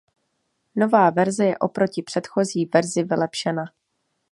Nová verze je oproti předchozí verzi vylepšena.